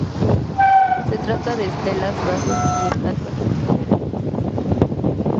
Se trata de estelas, vasos y estatuas funerarias.